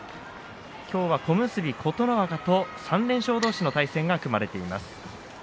今日は小結琴ノ若と３連勝同士の対戦が組まれています。